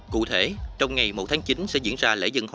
cụ thể trong ngày một tháng chín sẽ diễn ra lễ dân khóa